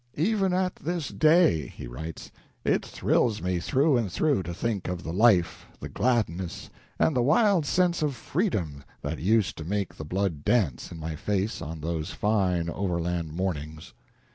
"Even at this day," he writes, "it thrills me through and through to think of the life, the gladness, and the wild sense of freedom that used to make the blood dance in my face on those fine overland mornings."